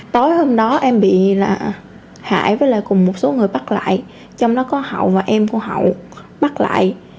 tối hôm đó em bị là hải với là cùng một số người bắt lại trong đó có hậu và em của hậu bắt lại